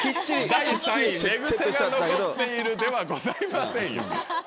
第３位「寝グセが残っている」ではございませんよ。